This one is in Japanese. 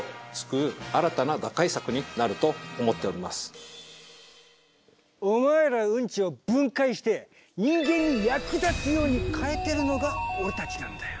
一次産業お前らウンチを分解して人間に役立つように変えてるのが俺たちなんだよ。